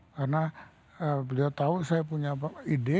karena beliau tahu saya punya ide